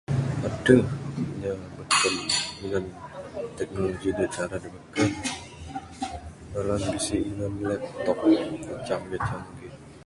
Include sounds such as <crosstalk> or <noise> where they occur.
Adeh inya beken minan teknologi cara da beken. Bala ne bisi minan laptop <unintelligible>